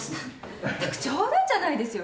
まったく冗談じゃないですよ。